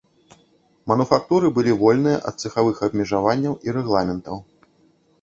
Мануфактуры былі вольныя ад цэхавых абмежаванняў і рэгламентаў.